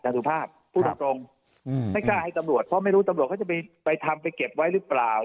สุภาพพูดตรงไม่กล้าให้ตำรวจเพราะไม่รู้ตำรวจเขาจะไปทำไปเก็บไว้หรือเปล่า